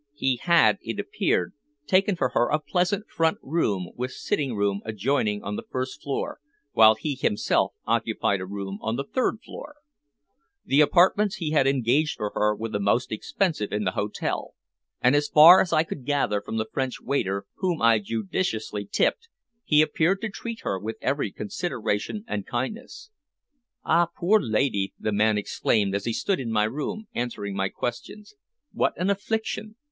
He had, it appeared, taken for her a pleasant front room with sitting room adjoining on the first floor, while he himself occupied a room on the third floor. The apartments he had engaged for her were the most expensive in the hotel, and as far as I could gather from the French waiter whom I judiciously tipped, he appeared to treat her with every consideration and kindness. "Ah, poor young lady!" the man exclaimed as he stood in my room answering my questions, "What an affliction!